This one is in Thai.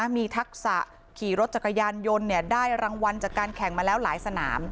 มีทักษะขี่รถจักรยานยนต์ได้รางวัลจากการแข่งมาแล้วหลายสนาม